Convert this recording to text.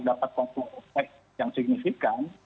ada anak aneh itu mah mana yang lebih tinggi